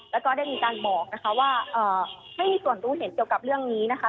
แล้วก็ได้มีการบอกนะคะว่าไม่มีส่วนรู้เห็นเกี่ยวกับเรื่องนี้นะคะ